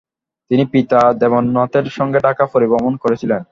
তিনি পিতা দেবেন্দ্রনাথের সঙ্গে ঢাকা পরিভ্রমণ করেছিলেন।